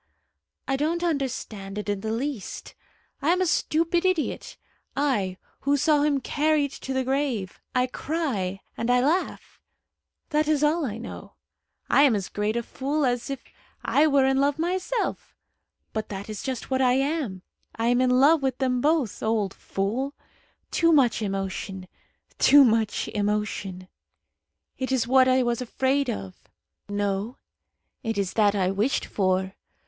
"I don't understand it in the least. I am a stupid idiot I, who saw him carried to the grave! I cry and I laugh. That is all I know. I am as great a fool as if I were in love myself. But that is just what I am. I am in love with them both. Old fool! Too much emotion too much emotion. It is what I was afraid of. No; it is that I wished for.